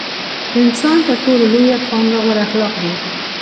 د انسان تر ټولو لويه پانګه غوره اخلاق دي.